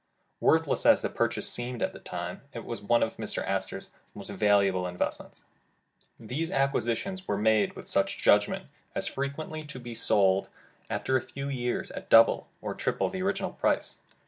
Worthless as the purchase seemed at the time, it was one of Mr. Astor 's most valuable in vestments. These acquisitions were made with such judgment, as frequently to be sold after a few years, at double or treble the original price.